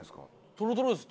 トロトロです！